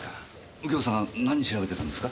右京さん何調べてるんですか？